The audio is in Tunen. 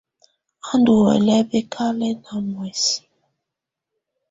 Á ndɔ́ huɛlɛ bǝkalɛna muɛsɛ.